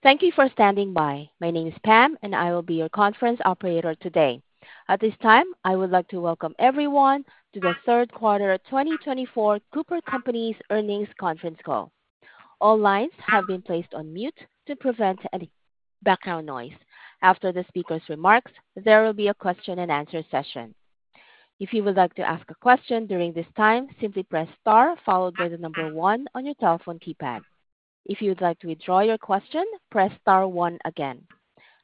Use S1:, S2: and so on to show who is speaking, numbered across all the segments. S1: Thank you for standing by. My name is Pam, and I will be your conference operator today. At this time, I would like to welcome everyone to the Q3 of 2024 Cooper Companies Earnings Conference Call. All lines have been placed on mute to prevent any background noise. After the speaker's remarks, there will be a question and answer session. If you would like to ask a question during this time, simply press star, followed by the number one on your telephone keypad. If you'd like to withdraw your question, press star one again.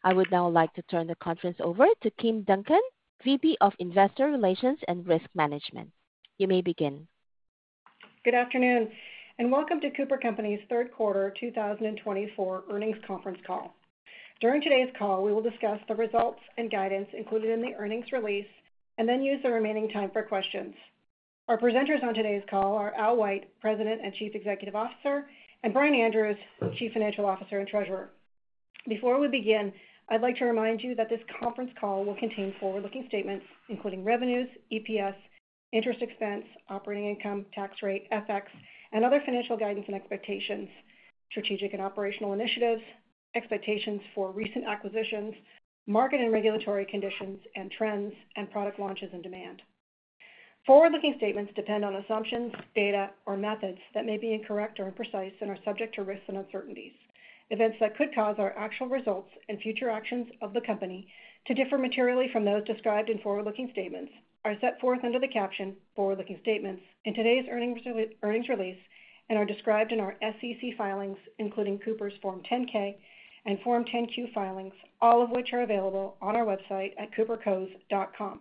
S1: I would now like to turn the conference over to Kim Duncan, VP of Investor Relations and Risk Management. You may begin.
S2: Good afternoon, and welcome to Cooper Companies' Q3 2024 Earnings Conference Call. During today's call, we will discuss the results and guidance included in the earnings release and then use the remaining time for questions. Our presenters on today's call are Al White, President and Chief Executive Officer, and Brian Andrews, Chief Financial Officer and Treasurer. Before we begin, I'd like to remind you that this conference call will contain forward-looking statements, including revenues, EPS, interest expense, operating income, tax rate, FX, and other financial guidance and expectations, strategic and operational initiatives, expectations for recent acquisitions, market and regulatory conditions and trends, and product launches and demand. Forward-looking statements depend on assumptions, data, or methods that may be incorrect or imprecise and are subject to risks and uncertainties. Events that could cause our actual results and future actions of the company to differ materially from those described in forward-looking statements are set forth under the caption "Forward-Looking Statements" in today's earnings release, and are described in our SEC filings, including Cooper's Form 10-K and Form 10-Q filings, all of which are available on our website at CooperCos.com.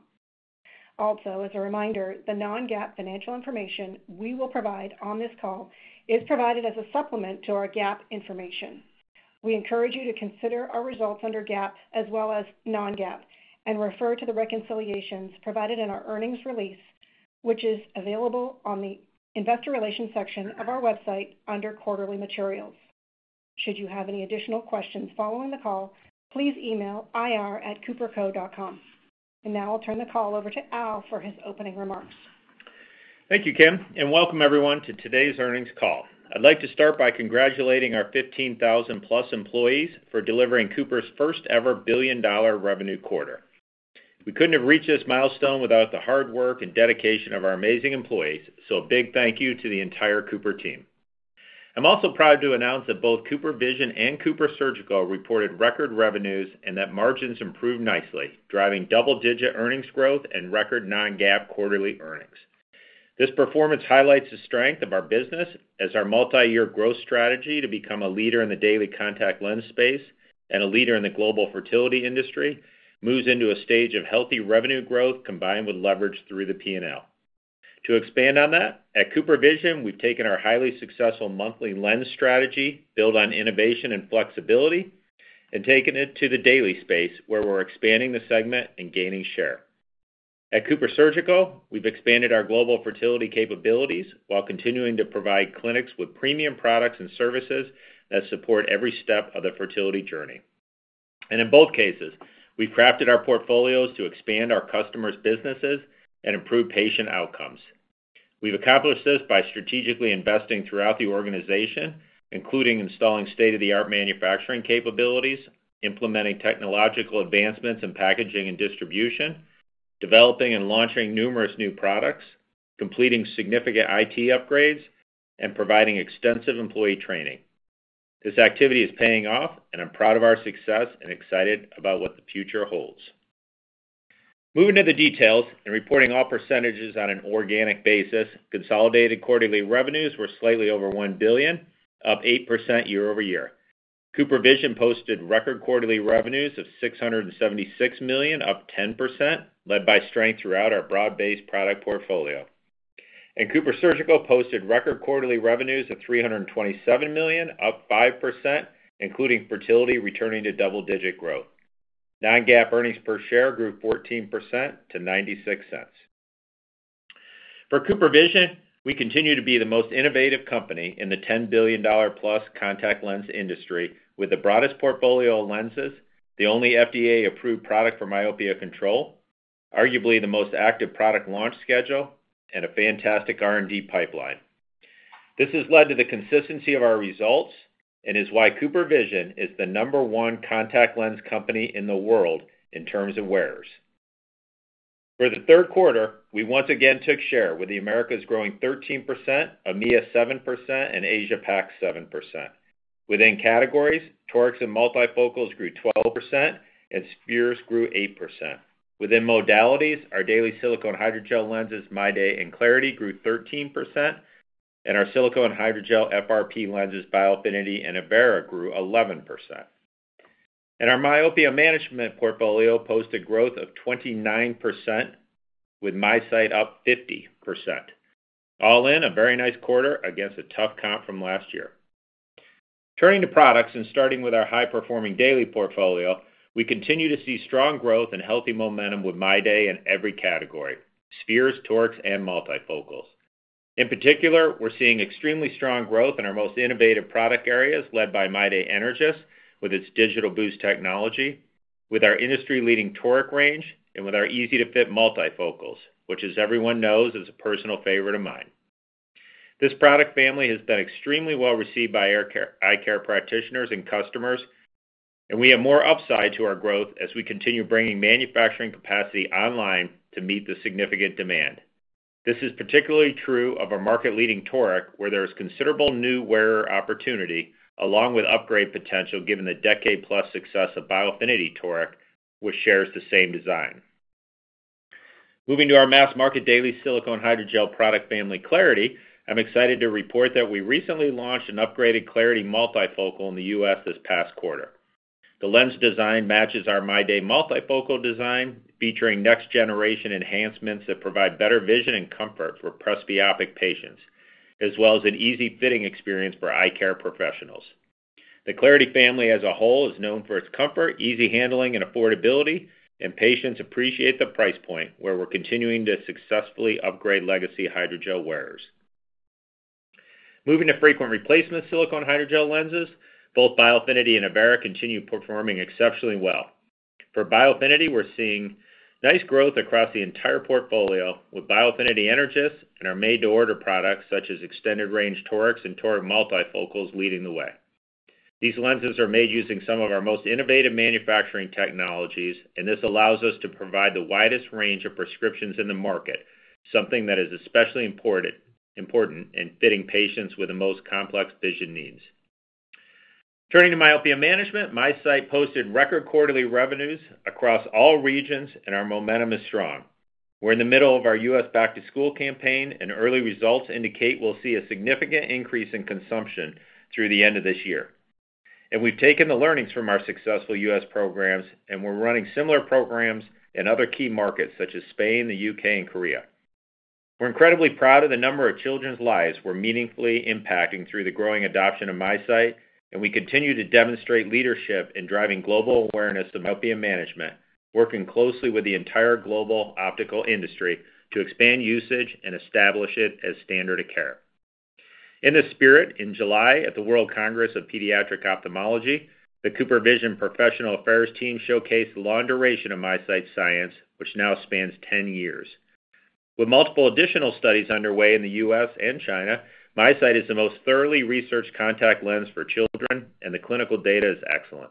S2: Also, as a reminder, the non-GAAP financial information we will provide on this call is provided as a supplement to our GAAP information. We encourage you to consider our results under GAAP as well as non-GAAP, and refer to the reconciliations provided in our earnings release, which is available on the investor relations section of our website under quarterly materials. Should you have any additional questions following the call, please email ir@CooperCos.com. Now I'll turn the call over to Al for his opening remarks.
S3: Thank you, Kim, and welcome everyone to today's earnings call. I'd like to start by congratulating our fifteen thousand-plus employees for delivering Cooper's first-ever $1 billion revenue quarter. We couldn't have reached this milestone without the hard work and dedication of our amazing employees, so a big thank you to the entire Cooper team. I'm also proud to announce that both CooperVision and CooperSurgical reported record revenues and that margins improved nicely, driving double-digit earnings growth and record non-GAAP quarterly earnings. This performance highlights the strength of our business as our multi-year growth strategy to become a leader in the daily contact lens space and a leader in the global fertility industry, moves into a stage of healthy revenue growth, combined with leverage through the P&L. To expand on that, at CooperVision, we've taken our highly successful monthly lens strategy, built on innovation and flexibility, and taken it to the daily space, where we're expanding the segment and gaining share. At CooperSurgical, we've expanded our global fertility capabilities while continuing to provide clinics with premium products and services that support every step of the fertility journey. And in both cases, we've crafted our portfolios to expand our customers' businesses and improve patient outcomes. We've accomplished this by strategically investing throughout the organization, including installing state-of-the-art manufacturing capabilities, implementing technological advancements in packaging and distribution, developing and launching numerous new products, completing significant IT upgrades, and providing extensive employee training. This activity is paying off, and I'm proud of our success and excited about what the future holds. Moving to the details and reporting all percentages on an organic basis, consolidated quarterly revenues were slightly over $1 billion, up 8% year over year. CooperVision posted record quarterly revenues of $676 million, up 10%, led by strength throughout our broad-based product portfolio, and CooperSurgical posted record quarterly revenues of $327 million, up 5%, including fertility, returning to double-digit growth. Non-GAAP earnings per share grew 14% to $0.96. For CooperVision, we continue to be the most innovative company in the $10 billion-plus contact lens industry, with the broadest portfolio of lenses, the only FDA-approved product for myopia control, arguably the most active product launch schedule, and a fantastic R&D pipeline. This has led to the consistency of our results and is why CooperVision is the number one contact lens company in the world in terms of wearers. For the Q3, we once again took share, with the Americas growing 13%, EMEA 7%, and Asia Pac 7%. Within categories, torics and multifocals grew 12% and spheres grew 8%. Within modalities, our daily silicone hydrogel lenses, MyDay and clariti, grew 13%, and our silicone hydrogel FRP lenses, Biofinity and Avaira, grew 11%, and our myopia management portfolio posted growth of 29%, with MiSight up 50%. All in, a very nice quarter against a tough comp from last year. Turning to products and starting with our high-performing daily portfolio, we continue to see strong growth and healthy momentum with MyDay in every category: spheres, torics, and multifocals. In particular, we're seeing extremely strong growth in our most innovative product areas, led by MyDay Energys, with its DigitalBoost technology, with our industry-leading toric range, and with our easy-to-fit multifocals, which, as everyone knows, is a personal favorite of mine... This product family has been extremely well received by eye care practitioners and customers, and we have more upside to our growth as we continue bringing manufacturing capacity online to meet the significant demand. This is particularly true of our market-leading toric, where there is considerable new wearer opportunity, along with upgrade potential, given the decade-plus success of Biofinity Toric, which shares the same design. Moving to our mass market daily silicone hydrogel product family, clariti, I'm excited to report that we recently launched an upgraded clariti multifocal in the U.S. this past quarter. The lens design matches our MyDay multifocal design, featuring next-generation enhancements that provide better vision and comfort for presbyopic patients, as well as an easy fitting experience for eye care professionals. The clariti family as a whole is known for its comfort, easy handling, and affordability, and patients appreciate the price point, where we're continuing to successfully upgrade legacy hydrogel wearers. Moving to frequent replacement silicone hydrogel lenses, both Biofinity and Avaira continue performing exceptionally well. For Biofinity, we're seeing nice growth across the entire portfolio, with Biofinity Energys and our made-to-order products, such as extended range torics and toric multifocals, leading the way. These lenses are made using some of our most innovative manufacturing technologies, and this allows us to provide the widest range of prescriptions in the market, something that is especially important in fitting patients with the most complex vision needs. Turning to myopia management, MiSight posted record quarterly revenues across all regions, and our momentum is strong. We're in the middle of our U.S. Back to School campaign, and early results indicate we'll see a significant increase in consumption through the end of this year, and we've taken the learnings from our successful U.S. programs, and we're running similar programs in other key markets, such as Spain, the U.K., and Korea. We're incredibly proud of the number of children's lives we're meaningfully impacting through the growing adoption of MiSight, and we continue to demonstrate leadership in driving global awareness of myopia management, working closely with the entire global optical industry to expand usage and establish it as standard of care. In this spirit, in July, at the World Congress of Pediatric Ophthalmology, the CooperVision Professional Affairs team showcased the long duration of MiSight science, which now spans ten years. With multiple additional studies underway in the U.S. and China, MiSight is the most thoroughly researched contact lens for children, and the clinical data is excellent.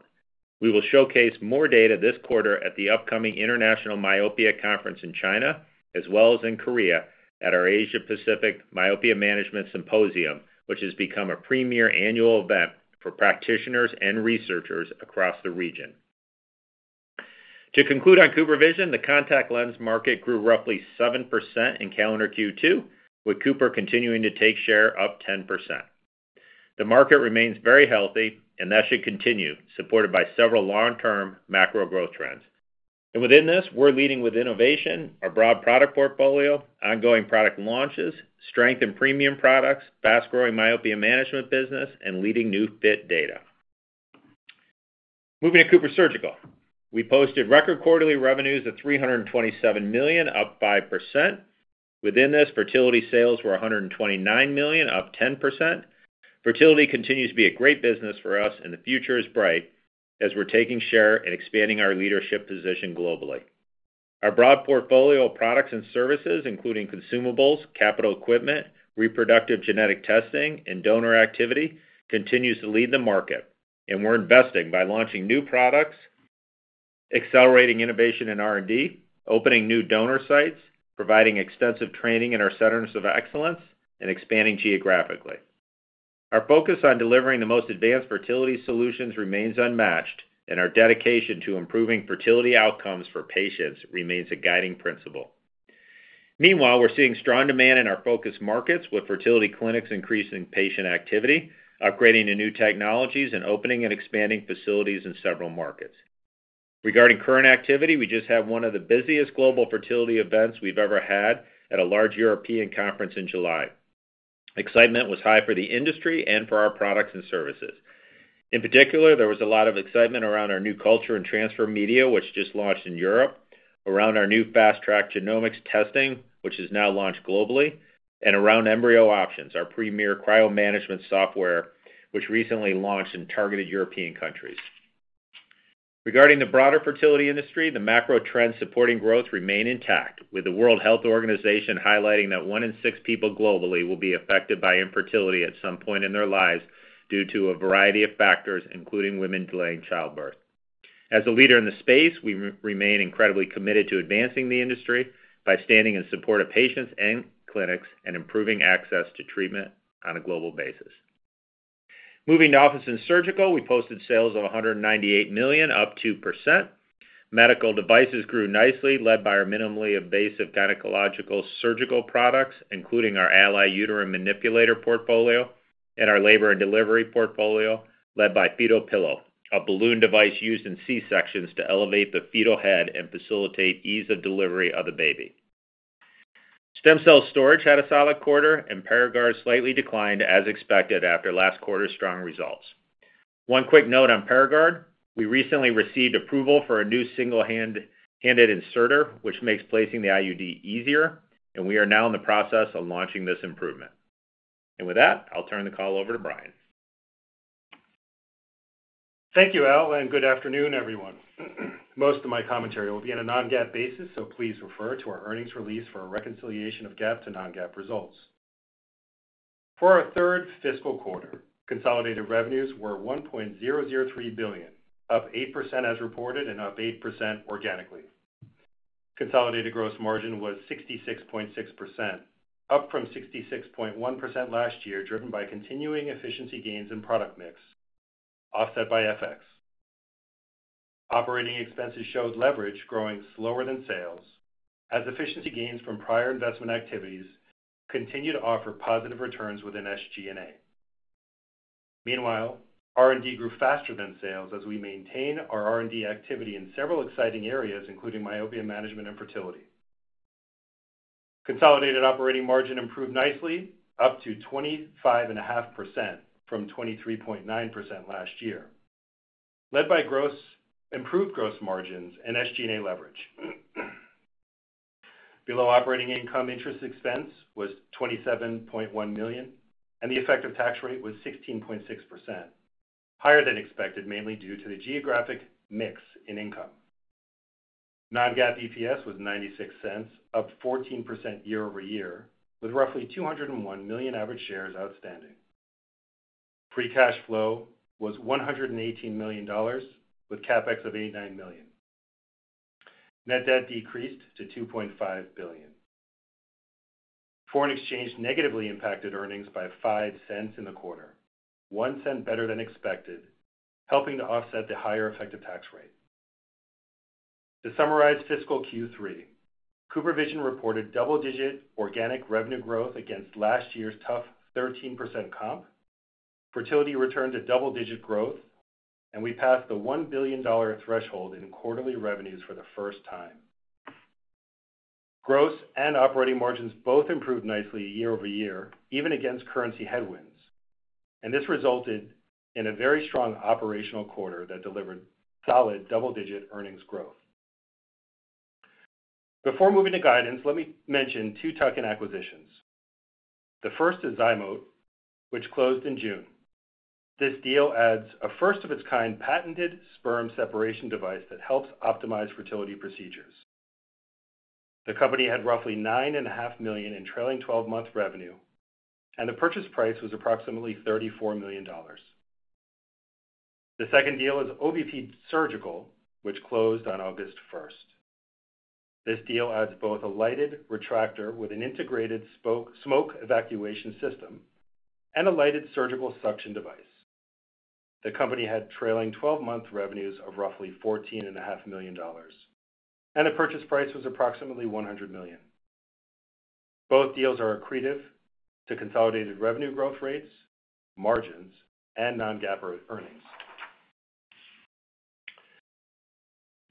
S3: We will showcase more data this quarter at the upcoming International Myopia Conference in China, as well as in Korea at our Asia Pacific Myopia Management Symposium, which has become a premier annual event for practitioners and researchers across the region. To conclude on CooperVision, the contact lens market grew roughly 7% in calendar Q2, with Cooper continuing to take share up 10%. The market remains very healthy and that should continue, supported by several long-term macro growth trends and within this, we're leading with innovation, our broad product portfolio, ongoing product launches, strength in premium products, fast-growing myopia management business, and leading new fit data. Moving to CooperSurgical. We posted record quarterly revenues of $327 million, up 5%. Within this, fertility sales were $129 million, up 10%. Fertility continues to be a great business for us, and the future is bright as we're taking share and expanding our leadership position globally. Our broad portfolio of products and services, including consumables, capital equipment, reproductive genetic testing, and donor activity, continues to lead the market, and we're investing by launching new products, accelerating innovation in R&D, opening new donor sites, providing extensive training in our centers of excellence, and expanding geographically. Our focus on delivering the most advanced fertility solutions remains unmatched, and our dedication to improving fertility outcomes for patients remains a guiding principle. Meanwhile, we're seeing strong demand in our focus markets, with fertility clinics increasing patient activity, upgrading to new technologies, and opening and expanding facilities in several markets. Regarding current activity, we just had one of the busiest global fertility events we've ever had at a large European conference in July. Excitement was high for the industry and for our products and services. In particular, there was a lot of excitement around our new culture and transfer media, which just launched in Europe, around our new FastTrack Genomics testing, which is now launched globally, and around Embryo Options, our premier cryo-management software, which recently launched in targeted European countries. Regarding the broader fertility industry, the macro trends supporting growth remain intact, with the World Health Organization highlighting that one in six people globally will be affected by infertility at some point in their lives due to a variety of factors, including women delaying childbirth. As a leader in the space, we remain incredibly committed to advancing the industry by standing in support of patients and clinics and improving access to treatment on a global basis. Moving to office and surgical, we posted sales of $198 million, up 2%. Medical devices grew nicely, led by our minimally invasive gynecological surgical products, including our Ally uterine manipulator portfolio and our labor and delivery portfolio, led by Fetal Pillow, a balloon device used in C-sections to elevate the fetal head and facilitate ease of delivery of the baby. Stem cell storage had a solid quarter, and Paragard slightly declined, as expected, after last quarter's strong results. One quick note on Paragard: we recently received approval for a new single-handed inserter, which makes placing the IUD easier, and we are now in the process of launching this improvement. With that, I'll turn the call over to Brian.
S4: Thank you, Al, and good afternoon, everyone. Most of my commentary will be on a non-GAAP basis, so please refer to our earnings release for a reconciliation of GAAP to non-GAAP results. For our third fiscal quarter, consolidated revenues were $1.003 billion, up 8% as reported and up 8% organically. Consolidated gross margin was 66.6%, up from 66.1% last year, driven by continuing efficiency gains in product mix, offset by FX. Operating expenses showed leverage growing slower than sales, as efficiency gains from prior investment activities continue to offer positive returns within SG&A. Meanwhile, R&D grew faster than sales as we maintain our R&D activity in several exciting areas, including myopia management and fertility. Consolidated operating margin improved nicely, up to 25.5% from 23.9% last year, led by improved gross margins and SG&A leverage. Below operating income, interest expense was $27.1 million, and the effective tax rate was 16.6%, higher than expected, mainly due to the geographic mix in income. Non-GAAP EPS was $0.96, up 14% year-over-year, with roughly 201 million average shares outstanding. Free cash flow was $118 million, with CapEx of $89 million. Net debt decreased to $2.5 billion. Foreign exchange negatively impacted earnings by $0.05 in the quarter, $0.01 better than expected, helping to offset the higher effective tax rate. To summarize fiscal Q3, CooperVision reported double-digit organic revenue growth against last year's tough 13% comp. Fertility returned to double-digit growth, and we passed the $1 billion threshold in quarterly revenues for the first time. Gross and operating margins both improved nicely year-over-year, even against currency headwinds, and this resulted in a very strong operational quarter that delivered solid double-digit earnings growth. Before moving to guidance, let me mention two tuck-in acquisitions. The first is ZyMōt, which closed in June. This deal adds a first-of-its-kind patented sperm separation device that helps optimize fertility procedures. The company had roughly $9.5 million in trailing twelve-month revenue, and the purchase price was approximately $34 million. The second deal is OBP Surgical, which closed on August 1st. This deal adds both a lighted retractor with an integrated smoke evacuation system and a lighted surgical suction device. The company had trailing twelve-month revenues of roughly $14.5 million, and the purchase price was approximately $100 million. Both deals are accretive to consolidated revenue growth rates, margins, and non-GAAP earnings.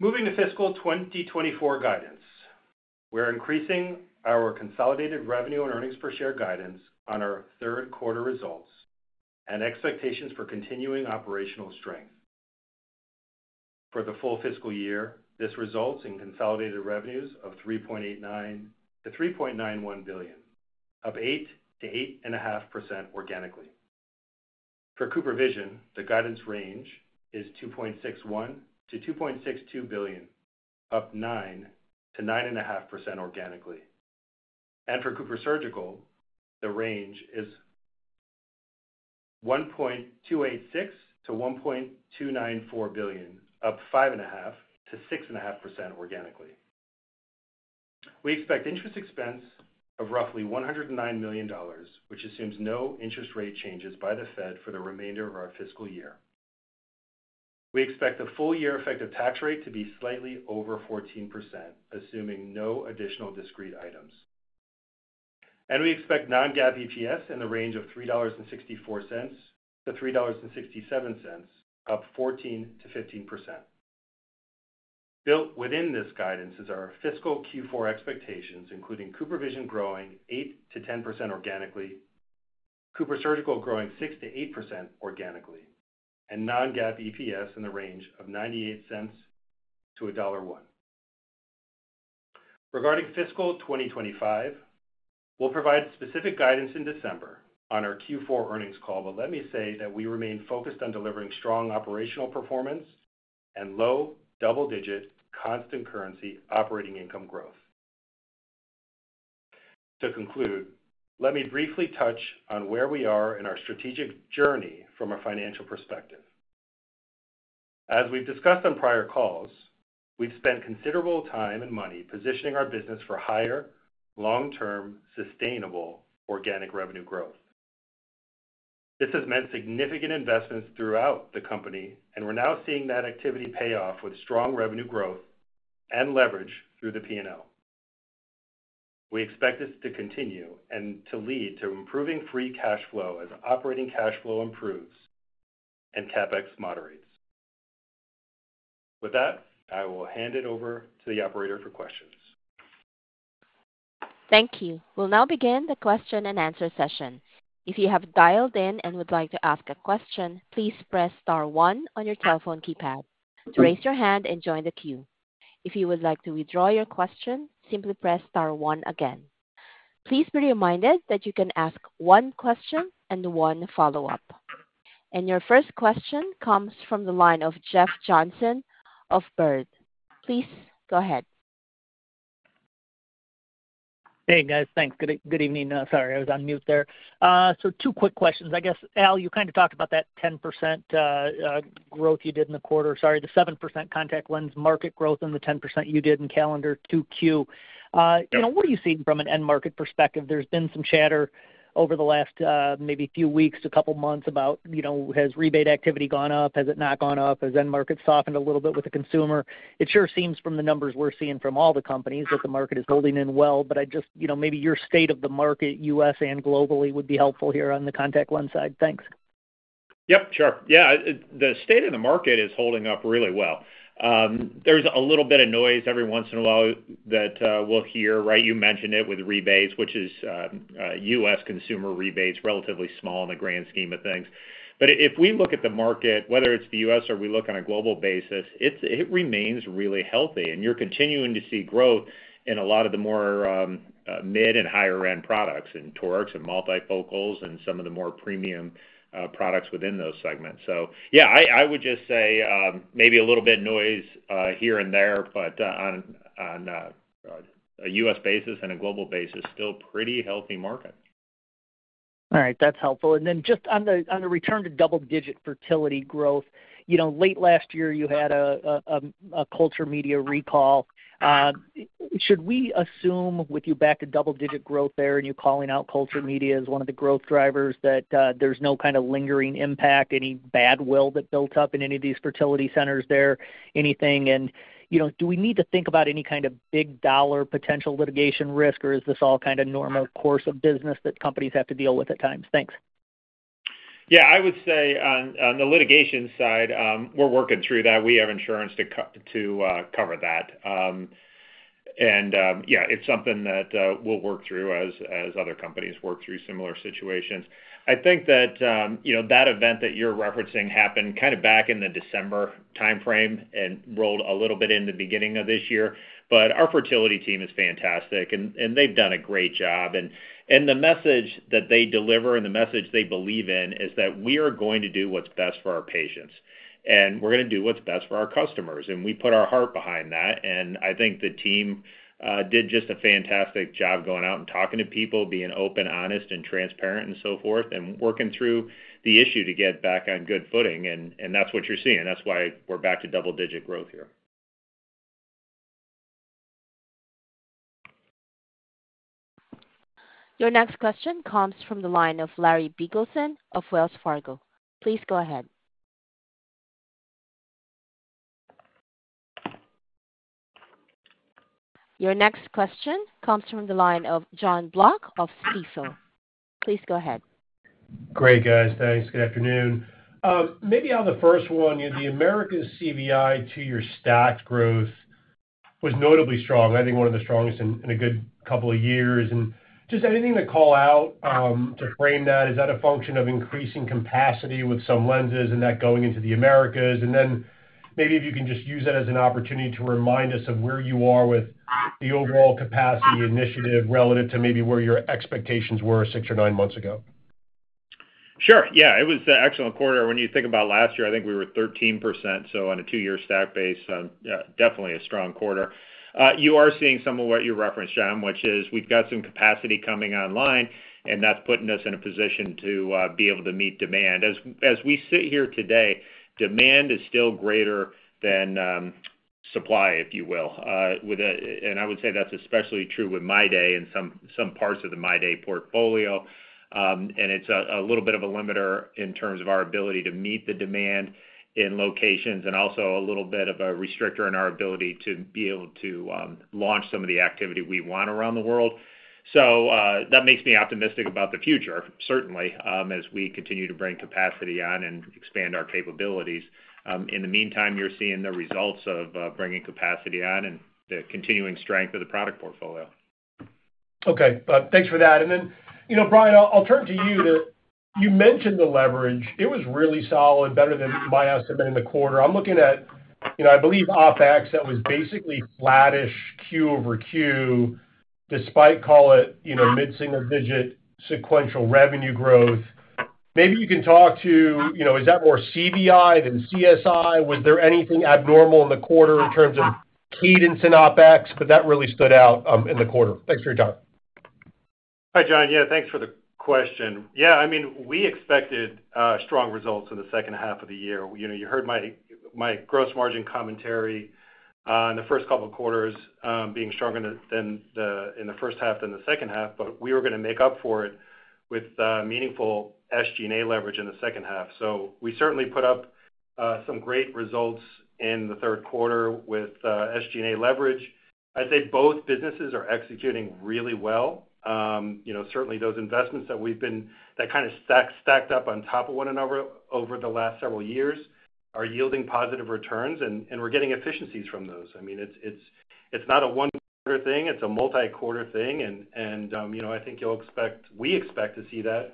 S4: Moving to fiscal 2024 guidance. We're increasing our consolidated revenue and earnings per share guidance on our Q3 results and expectations for continuing operational strength. For the full fiscal year, this results in consolidated revenues of $3.89-$3.91 billion, up 8%-8.5% organically. For CooperVision, the guidance range is $2.61-$2.62 billion, up 9%-9.5% organically. For CooperSurgical, the range is $1.286-$1.294 billion, up 5.5%-6.5% organically. We expect interest expense of roughly $109 million, which assumes no interest rate changes by the Fed for the remainder of our fiscal year. We expect the full year effective tax rate to be slightly over 14%, assuming no additional discrete items. And we expect non-GAAP EPS in the range of $3.64-$3.67, up 14%-15%. Built within this guidance is our fiscal Q4 expectations, including CooperVision growing 8%-10% organically, CooperSurgical growing 6%-8% organically, and non-GAAP EPS in the range of $0.98-$1.01. Regarding fiscal 2025, we'll provide specific guidance in December on our Q4 earnings call, but let me say that we remain focused on delivering strong operational performance and low double-digit constant currency operating income growth. To conclude, let me briefly touch on where we are in our strategic journey from a financial perspective. As we've discussed on prior calls, we've spent considerable time and money positioning our business for higher, long-term, sustainable organic revenue growth. This has meant significant investments throughout the company, and we're now seeing that activity pay off with strong revenue growth and leverage through the P&L. We expect this to continue and to lead to improving free cash flow as operating cash flow improves and CapEx moderates. With that, I will hand it over to the operator for questions.
S1: Thank you. We'll now begin the question-and-answer session. If you have dialed in and would like to ask a question, please press star one on your telephone keypad to raise your hand and join the queue. If you would like to withdraw your question, simply press star one again.... Please be reminded that you can ask one question and one follow-up. And your first question comes from the line of Jeff Johnson of Baird. Please go ahead.
S5: Hey, guys. Thanks. Good evening. Sorry, I was on mute there. So two quick questions. I guess, Al, you kind of talked about that 10% growth you did in the quarter, sorry, the 7% contact lens market growth and the 10% you did in calendar 2Q. You know, what are you seeing from an end market perspective? There's been some chatter over the last, maybe few weeks, a couple of months about, you know, has rebate activity gone up? Has it not gone up? Has end market softened a little bit with the consumer? It sure seems from the numbers we're seeing from all the companies, that the market is holding in well, but I just, you know, maybe your state of the market, US and globally, would be helpful here on the contact lens side. Thanks.
S3: Yep, sure. Yeah, the state of the market is holding up really well. There's a little bit of noise every once in a while that we'll hear, right? You mentioned it with rebates, which is U.S. consumer rebates, relatively small in the grand scheme of things. But if we look at the market, whether it's the U.S. or we look on a global basis, it remains really healthy, and you're continuing to see growth in a lot of the more mid and higher end products, in torics and multifocals and some of the more premium products within those segments. So yeah, I would just say maybe a little bit noise here and there, but on a U.S. basis and a global basis, still pretty healthy market.
S5: All right, that's helpful. And then just on the return to double-digit fertility growth, you know, late last year, you had a culture media recall. Should we assume with you back to double digit growth there and you're calling out culture media as one of the growth drivers, that there's no kind of lingering impact, any bad will that built up in any of these fertility centers there, anything? And, you know, do we need to think about any kind of big dollar potential litigation risk, or is this all kind of normal course of business that companies have to deal with at times? Thanks.
S3: Yeah, I would say on the litigation side, we're working through that. We have insurance to cover that. And yeah, it's something that we'll work through as other companies work through similar situations. I think that, you know, that event that you're referencing happened kind of back in the December timeframe and rolled a little bit in the beginning of this year. But our fertility team is fantastic, and they've done a great job. And the message that they deliver and the message they believe in is that we are going to do what's best for our patients, and we're going to do what's best for our customers, and we put our heart behind that. And I think the team did just a fantastic job going out and talking to people, being open, honest, and transparent and so forth, and working through the issue to get back on good footing. And that's what you're seeing. That's why we're back to double-digit growth here.
S1: Your next question comes from the line of Larry Biegelsen of Wells Fargo. Please go ahead. Your next question comes from the line of Jon Block of Stifel. Please go ahead.
S6: Great, guys. Thanks. Good afternoon. Maybe on the first one, the Americas CVI two-year stacked growth was notably strong, I think one of the strongest in a good couple of years. And just anything to call out, to frame that? Is that a function of increasing capacity with some lenses and that going into the Americas? And then maybe if you can just use that as an opportunity to remind us of where you are with the overall capacity initiative relative to maybe where your expectations were six or nine months ago.
S3: Sure. Yeah, it was an excellent quarter. When you think about last year, I think we were 13%, so on a two-year stack base, yeah, definitely a strong quarter. You are seeing some of what you referenced, Jon, which is we've got some capacity coming online, and that's putting us in a position to be able to meet demand. As we sit here today, demand is still greater than supply, if you will. And I would say that's especially true with MyDay and some parts of the MyDay portfolio. And it's a little bit of a limiter in terms of our ability to meet the demand in locations and also a little bit of a restrictor in our ability to be able to launch some of the activity we want around the world. So, that makes me optimistic about the future, certainly, as we continue to bring capacity on and expand our capabilities. In the meantime, you're seeing the results of bringing capacity on and the continuing strength of the product portfolio.
S6: Okay, thanks for that. And then, you know, Brian, I'll turn to you to... You mentioned the leverage. It was really solid, better than my estimate in the quarter. I'm looking at, you know, I believe, OpEx, that was basically flattish Q over Q, despite call it, you know, mid-single digit, sequential revenue growth. Maybe you can talk to, you know, is that more CVI than CSI? Was there anything abnormal in the quarter in terms of cadence in OpEx? But that really stood out, in the quarter. Thanks for your time.
S4: Hi, Jon. Yeah, thanks for the question. Yeah, I mean, we expected strong results in the second half of the year. You know, you heard my gross margin commentary in the first couple of quarters being stronger in the first half than in the second half, but we were going to make up for it with meaningful SG&A leverage in the second half. So we certainly put up some great results in the Q3 with SG&A leverage. I'd say both businesses are executing really well. You know, certainly those investments that we've kind of stacked up on top of one another over the last several years are yielding positive returns, and we're getting efficiencies from those. I mean, it's not a one-quarter thing, it's a multi-quarter thing. You know, I think you'll expect, we expect to see that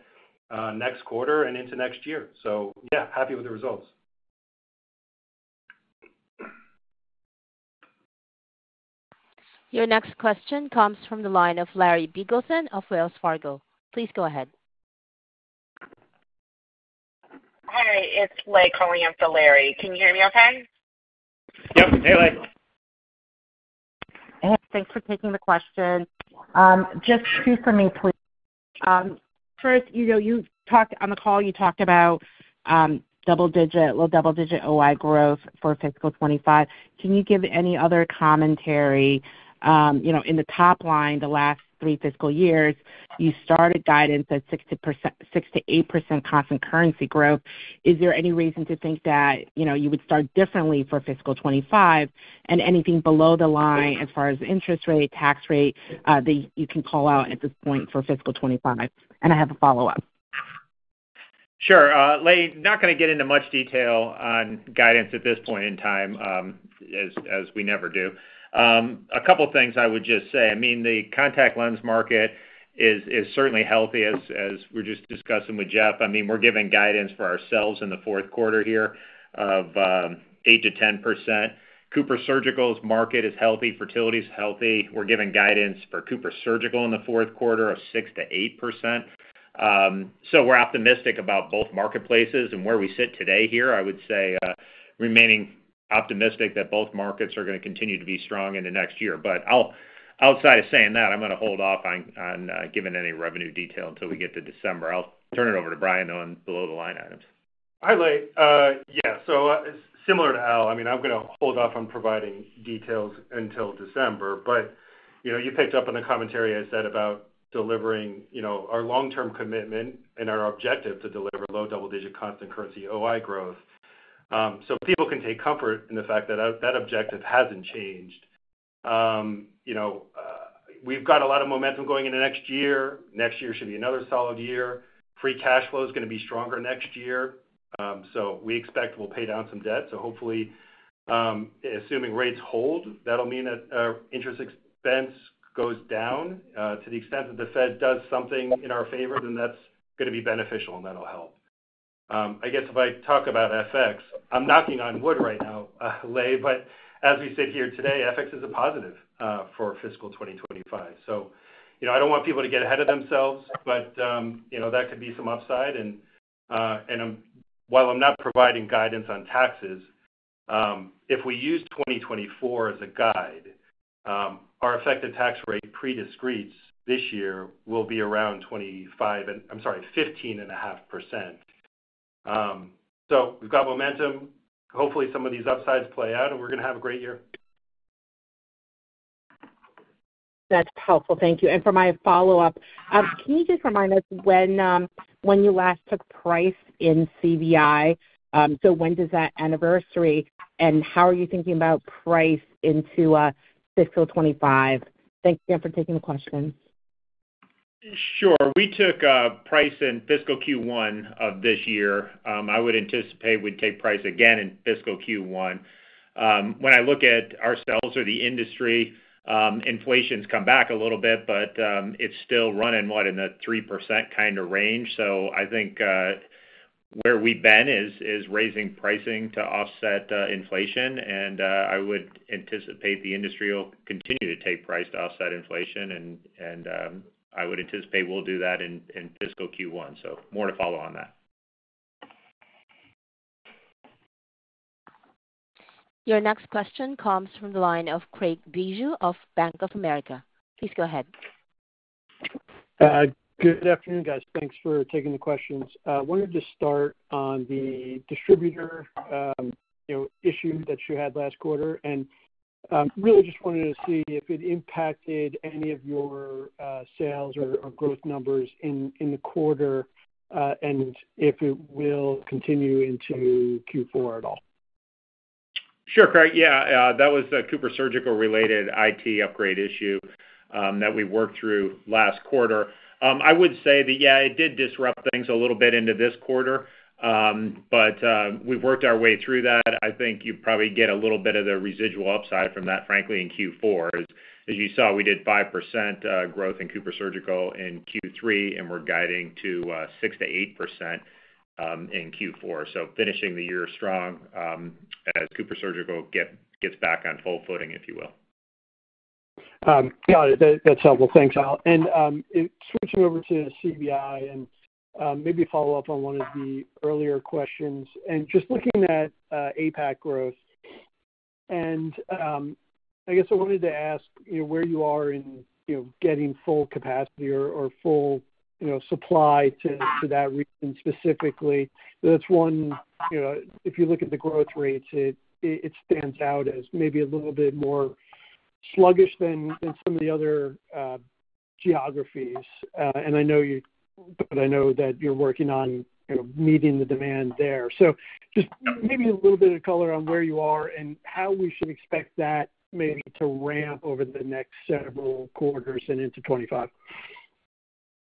S4: next quarter and into next year. So yeah, happy with the results.
S1: Your next question comes from the line of Larry Biegelsen of Wells Fargo. Please go ahead.
S7: Hi, it's Lei calling in for Larry. Can you hear me okay?
S3: Yep. Hey, Lei.
S7: Hey, thanks for taking the question. Just two for me, please. First, you know, on the call, you talked about double digit, low double-digit OI growth for fiscal 2025. Can you give any other commentary? You know, in the top line, the last three fiscal years, you started guidance at 6%-8% constant currency growth. Is there any reason to think that, you know, you would start differently for fiscal 2025? And anything below the line as far as interest rate, tax rate, that you can call out at this point for fiscal 2025? And I have a follow-up.
S3: Sure. Lei, not gonna get into much detail on guidance at this point in time, as, as we never do. A couple of things I would just say. I mean, the contact lens market is certainly healthy, as, as we were just discussing with Jeff. I mean, we're giving guidance for ourselves in the Q4 here of 8%-10%. CooperSurgical's market is healthy, fertility is healthy. We're giving guidance for CooperSurgical in the Q4 of 6%-8%. So we're optimistic about both marketplaces, and where we sit today here, I would say, remaining optimistic that both markets are gonna continue to be strong in the next year. But outside of saying that, I'm gonna hold off on giving any revenue detail until we get to December. I'll turn it over to Brian on below-the-line items.
S4: Hi, Lei. Yeah, so, similar to Al, I mean, I'm gonna hold off on providing details until December. But, you know, you picked up on the commentary I said about delivering, you know, our long-term commitment and our objective to deliver low double-digit constant currency OI growth. So people can take comfort in the fact that, that objective hasn't changed. You know, we've got a lot of momentum going into next year. Next year should be another solid year. Free cash flow is gonna be stronger next year, so we expect we'll pay down some debt. So hopefully, assuming rates hold, that'll mean that our interest expense goes down, to the extent that the Fed does something in our favor, then that's gonna be beneficial, and that'll help. I guess if I talk about FX, I'm knocking on wood right now, Lei, but as we sit here today, FX is a positive for fiscal 2025. So, you know, I don't want people to get ahead of themselves, but you know, that could be some upside. And while I'm not providing guidance on taxes, if we use 2024 as a guide, our effective tax rate pre-discrete this year will be around 25, and I'm sorry, 15.5%. So we've got momentum. Hopefully, some of these upsides play out, and we're gonna have a great year.
S7: That's helpful. Thank you. And for my follow-up, can you just remind us when you last took price in CVI? So when does that anniversary, and how are you thinking about price into fiscal 2025? Thanks again for taking the question.
S4: Sure. We took price in fiscal Q1 of this year. I would anticipate we'd take price again in fiscal Q1. When I look at ourselves or the industry, inflation's come back a little bit, but it's still running, what, in a 3% kind of range. So I think where we've been is raising pricing to offset inflation, and I would anticipate the industry will continue to take price to offset inflation, and I would anticipate we'll do that in fiscal Q1. So more to follow on that.
S1: Your next question comes from the line of Craig Bijou of Bank of America. Please go ahead.
S8: Good afternoon, guys. Thanks for taking the questions. I wanted to start on the distributor, you know, issue that you had last quarter, and really just wanted to see if it impacted any of your sales or growth numbers in the quarter, and if it will continue into Q4 at all.
S3: Sure, Craig. Yeah, that was the CooperSurgical-related IT upgrade issue that we worked through last quarter. I would say that, yeah, it did disrupt things a little bit into this quarter, but we've worked our way through that. I think you probably get a little bit of the residual upside from that, frankly, in Q4. As you saw, we did 5% growth in CooperSurgical in Q3, and we're guiding to 6%-8% in Q4. So finishing the year strong as CooperSurgical gets back on full footing, if you will.
S8: Got it. That's helpful. Thanks, Al. And switching over to CVI and maybe follow up on one of the earlier questions. And just looking at APAC growth, and I guess I wanted to ask, you know, where you are in, you know, getting full capacity or full, you know, supply to that region specifically. That's one, you know, if you look at the growth rates, it stands out as maybe a little bit more sluggish than some of the other geographies. And I know that you're working on, you know, meeting the demand there. So just maybe a little bit of color on where you are and how we should expect that maybe to ramp over the next several quarters and into 2025....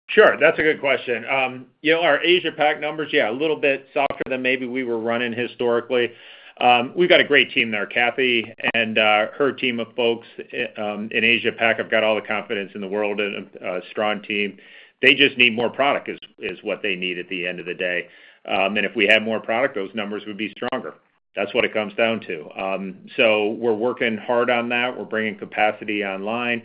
S3: Sure, that's a good question. You know, our Asia Pac numbers, yeah, a little bit softer than maybe we were running historically. We've got a great team there, Kathy, and her team of folks in Asia Pac. I've got all the confidence in the world, and a strong team. They just need more product. That's what they need at the end of the day. And if we had more product, those numbers would be stronger. That's what it comes down to. So we're working hard on that. We're bringing capacity online.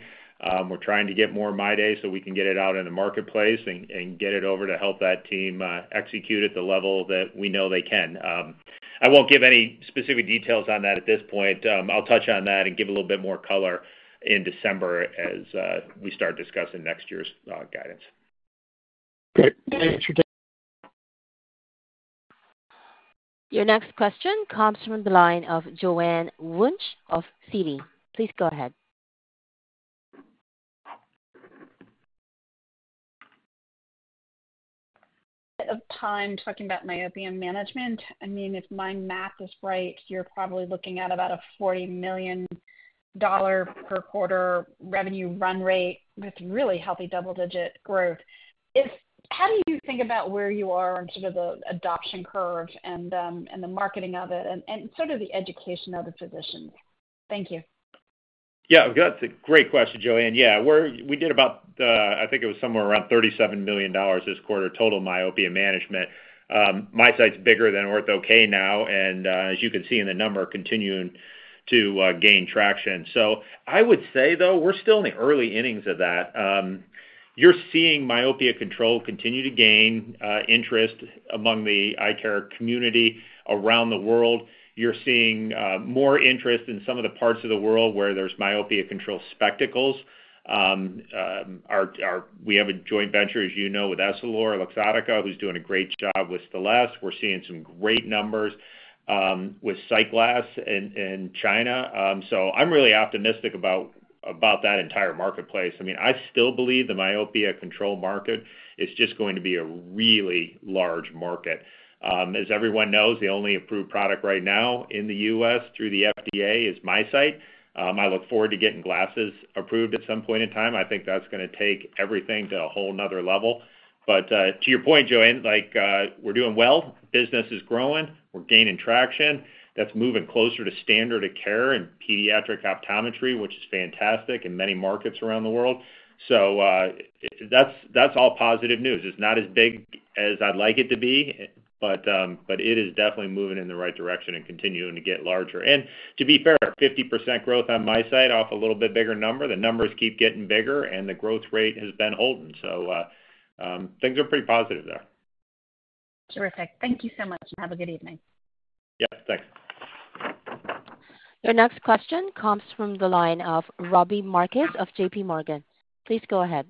S3: We're trying to get more MyDay so we can get it out in the marketplace and get it over to help that team execute at the level that we know they can. I won't give any specific details on that at this point. I'll touch on that and give a little bit more color in December as we start discussing next year's guidance.
S8: Great. Thanks for your time.
S1: Your next question comes from the line of Joanne Wuensch of Citi. Please go ahead.
S9: of time talking about myopia management. I mean, if my math is right, you're probably looking at about a $40 million per quarter revenue run rate with really healthy double-digit growth. How do you think about where you are in sort of the adoption curve and the marketing of it, and sort of the education of the physicians? Thank you.
S3: Yeah, that's a great question, Joanne. Yeah, we did about, I think it was somewhere around $37 million this quarter, total myopia management. MiSight's bigger than Ortho-K now, and, as you can see in the number, continuing to gain traction. So I would say, though, we're still in the early innings of that. You're seeing myopia control continue to gain interest among the eye care community around the world. You're seeing more interest in some of the parts of the world where there's myopia control spectacles. Our we have a joint venture, as you know, with EssilorLuxottica, who's doing a great job with Stellest. We're seeing some great numbers with SightGlass in China. So I'm really optimistic about that entire marketplace. I mean, I still believe the myopia control market is just going to be a really large market. As everyone knows, the only approved product right now in the U.S. through the FDA is MiSight. I look forward to getting glasses approved at some point in time. I think that's gonna take everything to a whole another level. But to your point, Joanne, like, we're doing well. Business is growing. We're gaining traction. That's moving closer to standard of care in pediatric optometry, which is fantastic in many markets around the world. So that's all positive news. It's not as big as I'd like it to be, but but it is definitely moving in the right direction and continuing to get larger. To be fair, 50% growth on my side off a little bit bigger number, the numbers keep getting bigger, and the growth rate has been holding, so things are pretty positive there.
S9: Terrific. Thank you so much, and have a good evening.
S3: Yes, thanks.
S1: Your next question comes from the line of Robbie Marcus of J.P. Morgan. Please go ahead.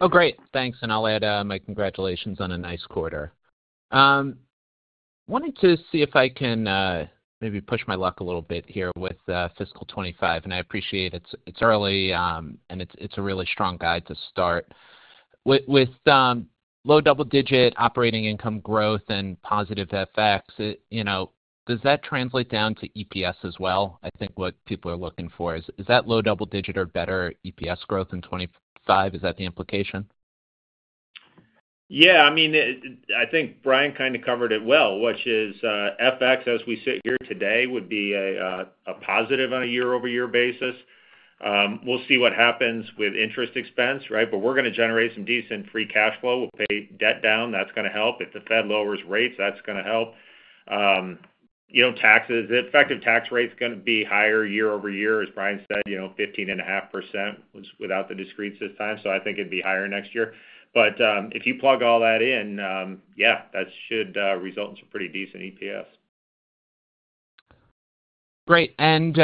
S10: Oh, great! Thanks, and I'll add my congratulations on a nice quarter. Wanted to see if I can maybe push my luck a little bit here with fiscal 2025, and I appreciate it's early, and it's a really strong guide to start. With low double-digit operating income growth and positive FX, you know, does that translate down to EPS as well? I think what people are looking for is that low double-digit or better EPS growth in 2025? Is that the implication?
S3: Yeah, I mean it. I think Brian kind of covered it well, which is, FX, as we sit here today, would be a, a positive on a year-over-year basis. We'll see what happens with interest expense, right? But we're gonna generate some decent free cash flow. We'll pay debt down, that's gonna help. If the Fed lowers rates, that's gonna help. You know, taxes, the effective tax rate is gonna be higher year over year, as Brian said, you know, 15.5% was without the discretes this time, so I think it'd be higher next year. But, if you plug all that in, yeah, that should result in some pretty decent EPS.
S10: Great. And,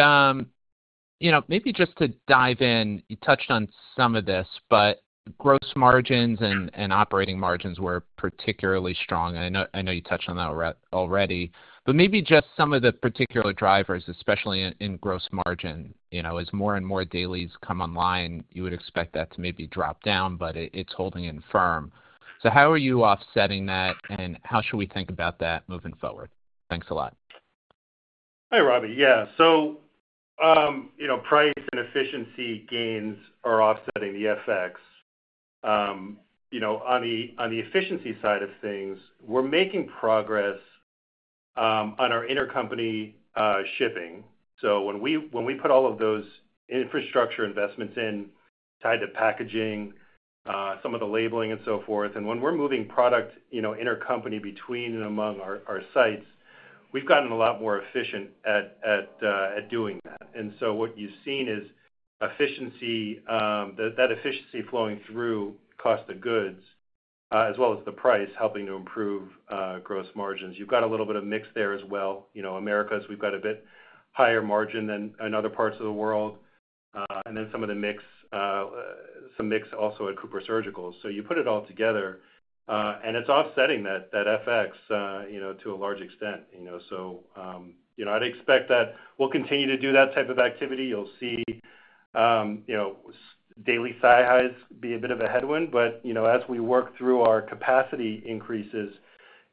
S10: you know, maybe just to dive in, you touched on some of this, but gross margins and operating margins were particularly strong. I know, I know you touched on that already, but maybe just some of the particular drivers, especially in gross margin. You know, as more and more dailies come online, you would expect that to maybe drop down, but it, it's holding firm. So how are you offsetting that, and how should we think about that moving forward? Thanks a lot.
S3: Hi, Robbie. Yeah, so, you know, price and efficiency gains are offsetting the FX. You know, on the efficiency side of things, we're making progress on our intercompany shipping. So when we put all of those infrastructure investments in, tied to packaging, some of the labeling and so forth, and when we're moving product, you know, intercompany between and among our sites, we've gotten a lot more efficient at doing that. And so what you've seen is efficiency, that efficiency flowing through cost of goods, as well as the price, helping to improve gross margins. You've got a little bit of mix there as well. You know, Americas, we've got a bit higher margin than in other parts of the world, and then some of the mix, some mix also at CooperSurgical. So you put it all together, and it's offsetting that FX, you know, to a large extent, you know. So, you know, I'd expect that we'll continue to do that type of activity. You'll see, you know, daily SiHys be a bit of a headwind, but, you know, as we work through our capacity increases,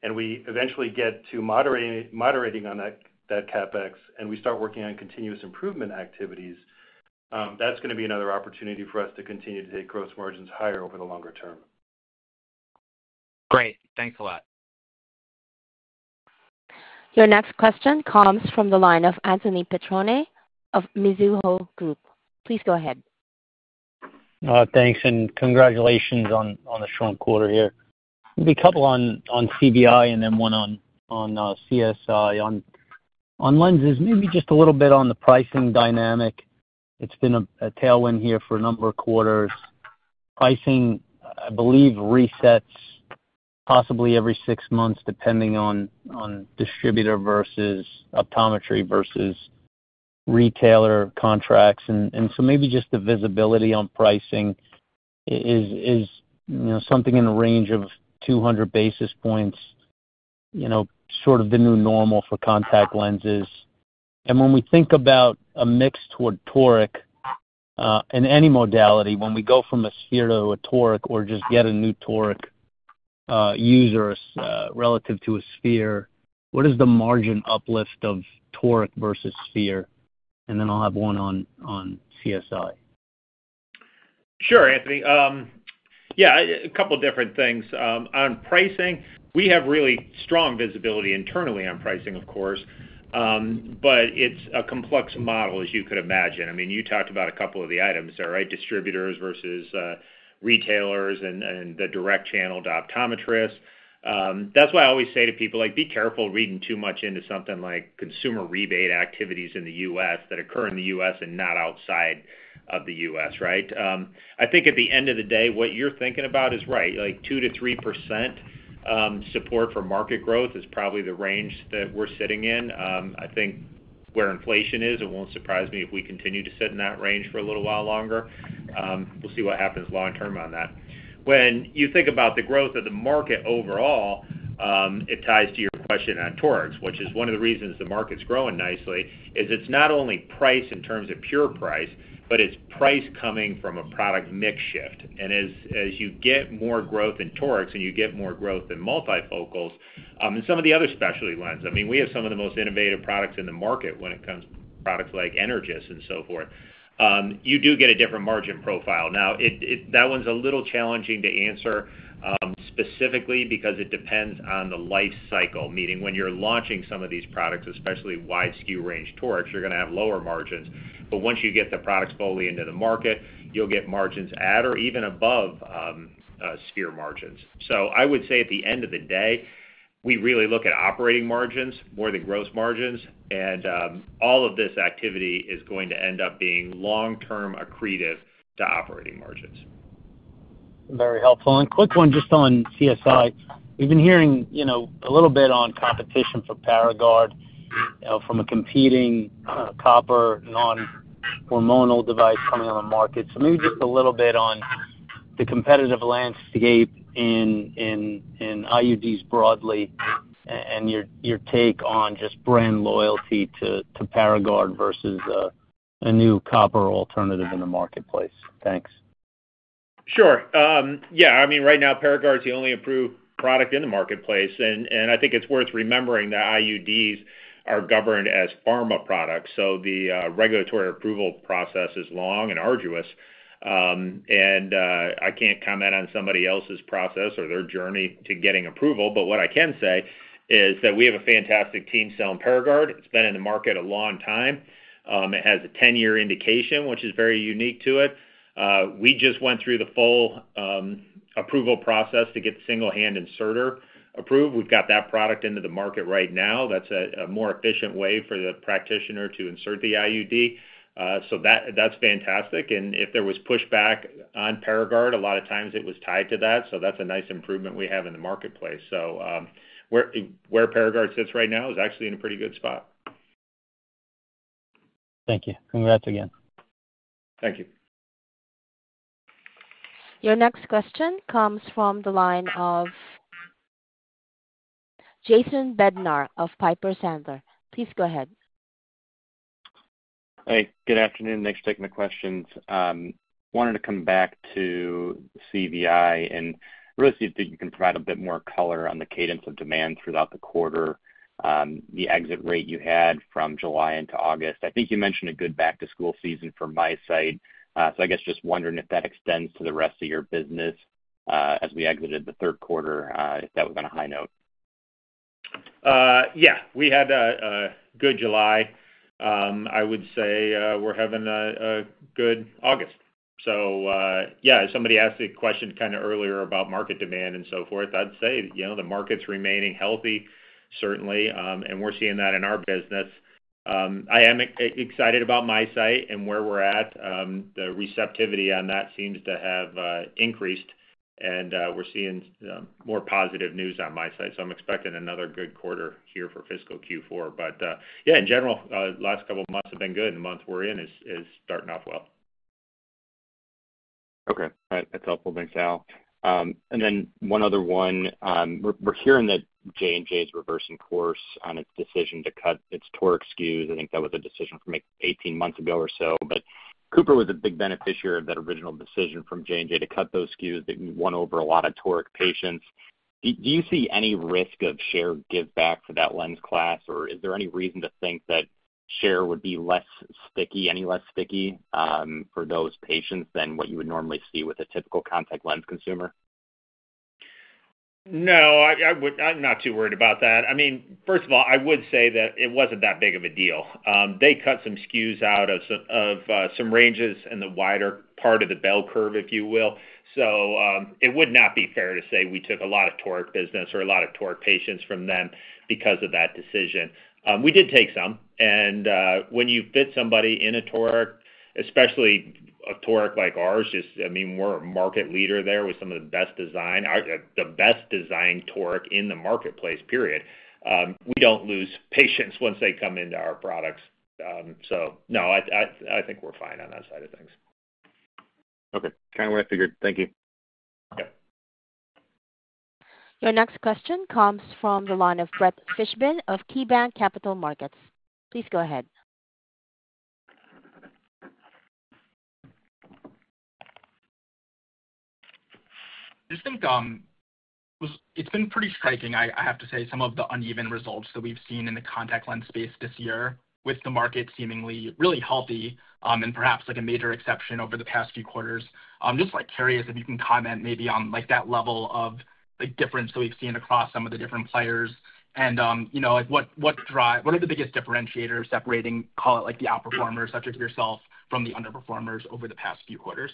S3: and we eventually get to moderating on that CapEx, and we start working on continuous improvement activities, that's gonna be another opportunity for us to continue to take gross margins higher over the longer term.
S10: Great. Thanks a lot.
S1: Your next question comes from the line of Anthony Petrone of Mizuho Group. Please go ahead.
S11: Thanks, and congratulations on a strong quarter here. Maybe a couple on CVI and then one on CSI. On lenses, maybe just a little bit on the pricing dynamic. It's been a tailwind here for a number of quarters. Pricing, I believe, resets possibly every six months, depending on distributor versus optometry versus retailer contracts. And so maybe just the visibility on pricing is, you know, something in the range of two hundred basis points, you know, sort of the new normal for contact lenses. And when we think about a mix toward toric in any modality, when we go from a sphere to a toric or just get a new toric users relative to a sphere, what is the margin uplift of toric versus sphere? And then I'll have one on CSI.
S3: Sure, Anthony. Yeah, a couple different things. On pricing, we have really strong visibility internally on pricing, of course, but it's a complex model, as you could imagine. I mean, you talked about a couple of the items there, right? Distributors versus retailers and the direct channel to optometrists. That's why I always say to people, like, be careful reading too much into something like consumer rebate activities in the U.S. that occur in the U.S. and not outside of the U.S., right? I think at the end of the day, what you're thinking about is right. Like, 2%-3% support for market growth is probably the range that we're sitting in. I think where inflation is, it won't surprise me if we continue to sit in that range for a little while longer. We'll see what happens long term on that. When you think about the growth of the market overall, it ties to your question on torics, which is one of the reasons the market's growing nicely, is it's not only price in terms of pure price, but it's price coming from a product mix shift. And as you get more growth in torics and you get more growth in multifocals, and some of the other specialty lens, I mean, we have some of the most innovative products in the market when it comes to products like Energys and so forth. You do get a different margin profile. Now, it that one's a little challenging to answer, specifically because it depends on the life cycle, meaning when you're launching some of these products, especially wide SKU range torics, you're gonna have lower margins. But once you get the products fully into the market, you'll get margins at or even above sphere margins. So I would say at the end of the day, we really look at operating margins more than gross margins, and all of this activity is going to end up being long-term accretive to operating margins.
S11: Very helpful and quick one just on CSI. We've been hearing, you know, a little bit on competition for Paragard, from a competing, copper, non-hormonal device coming on the market. So maybe just a little bit on the competitive landscape in IUDs broadly, and your take on just brand loyalty to Paragard versus a new copper alternative in the marketplace. Thanks.
S3: Sure. Yeah, I mean, right now, Paragard is the only approved product in the marketplace, and I think it's worth remembering that IUDs are governed as pharma products, so the regulatory approval process is long and arduous, and I can't comment on somebody else's process or their journey to getting approval, but what I can say is that we have a fantastic team selling Paragard. It's been in the market a long time. It has a ten-year indication, which is very unique to it. We just went through the full approval process to get the single-handed inserter approved. We've got that product into the market right now. That's a more efficient way for the practitioner to insert the IUD. So that's fantastic. And if there was pushback on Paragard, a lot of times it was tied to that, so that's a nice improvement we have in the marketplace. So, where Paragard sits right now is actually in a pretty good spot.
S11: Thank you. Congrats again.
S3: Thank you.
S1: Your next question comes from the line of Jason Bednar of Piper Sandler. Please go ahead.
S12: Hey, good afternoon. Thanks for taking the questions. Wanted to come back to CVI and really see if you can provide a bit more color on the cadence of demand throughout the quarter, the exit rate you had from July into August. I think you mentioned a good back-to-school season for MiSight. So I guess just wondering if that extends to the rest of your business, as we exited the Q3, if that was on a high note.
S3: Yeah, we had a good July. I would say we're having a good August. So, yeah, somebody asked a question kind of earlier about market demand and so forth. I'd say, you know, the market's remaining healthy, certainly, and we're seeing that in our business. I am excited about MiSight and where we're at. The receptivity on that seems to have increased, and we're seeing more positive news on MiSight, so I'm expecting another good quarter here for fiscal Q4. But, yeah, in general, last couple of months have been good, and the month we're in is starting off well.
S12: Okay. All right. That's helpful. Thanks, Al. And then one other one. We're hearing that J&J is reversing course on its decision to cut its toric SKUs. I think that was a decision from, like, eighteen months ago or so. But Cooper was a big beneficiary of that original decision from J&J to cut those SKUs. They won over a lot of toric patients. Do you see any risk of share give back for that lens class? Or is there any reason to think that share would be less sticky, any less sticky, for those patients than what you would normally see with a typical contact lens consumer?
S3: No, I would. I'm not too worried about that. I mean, first of all, I would say that it wasn't that big of a deal. They cut some SKUs out of some ranges in the wider part of the bell curve, if you will. So, it would not be fair to say we took a lot of toric business or a lot of toric patients from them because of that decision. We did take some, and when you fit somebody in a toric, especially a toric like ours, I mean, we're a market leader there with some of the best design. The best designed toric in the marketplace, period. So no, I think we're fine on that side of things.
S13: Okay. Kind of what I figured. Thank you.
S3: Okay.
S1: Your next question comes from the line of Brett Fishbin of KeyBanc Capital Markets. Please go ahead.
S14: Just think, It's been pretty striking, I have to say, some of the uneven results that we've seen in the contact lens space this year, with the market seemingly really healthy, and perhaps like a major exception over the past few quarters. Just, like, curious if you can comment maybe on, like, that level of, like, difference that we've seen across some of the different players and, you know, like, what are the biggest differentiators separating, call it, like, the outperformers, such as yourself, from the underperformers over the past few quarters?